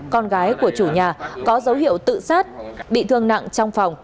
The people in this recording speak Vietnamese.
con gái của chủ nhà có dấu hiệu tự sát bị thương nặng trong phòng